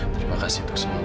terima kasih untuk semua